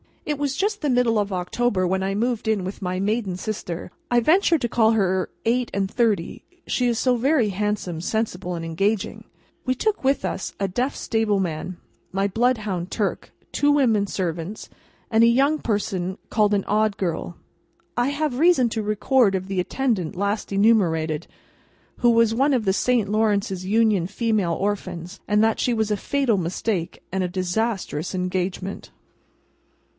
It was just the middle of October when I moved in with my maiden sister (I venture to call her eight and thirty, she is so very handsome, sensible, and engaging). We took with us, a deaf stable man, my bloodhound Turk, two women servants, and a young person called an Odd Girl. I have reason to record of the attendant last enumerated, who was one of the Saint Lawrence's Union Female Orphans, that she was a fatal mistake and a disastrous engagement.